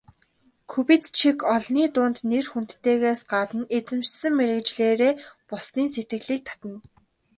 Кубицчек олны дунд нэр хүндтэйгээс гадна эзэмшсэн мэргэжлээрээ бусдын сэтгэлийг татна.